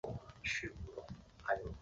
然后再绕去买羽绒衣